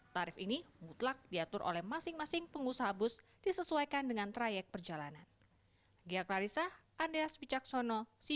tarif ini mutlak diatur oleh masing masing pengusaha bus disesuaikan dengan trayek perjalanan